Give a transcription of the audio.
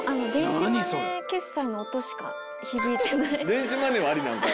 電子マネーはありなんだ。